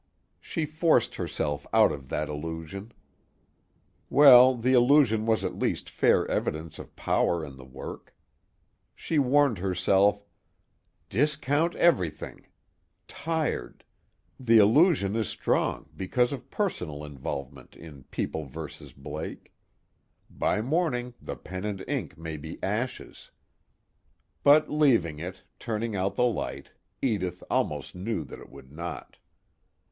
She forced herself out of that illusion. Well, the illusion was at least fair evidence of power in the work. She warned herself: _Discount everything: tired; the illusion is strong because of personal involvement in People vs. Blake; by morning the pen and ink may be ashes._ But leaving it, turning out the light, Edith almost knew that it would not.